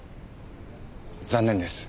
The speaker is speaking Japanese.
残念です。